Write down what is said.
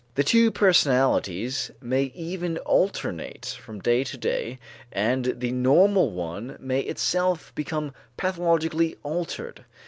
The two personalities may even alternate from day to day and the normal one may itself become pathologically altered.